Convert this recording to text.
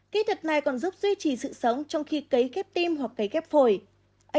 kỹ thuật này còn giúp duy trì sự sống trong khi cấy kép tim hoặc cấy kép phổi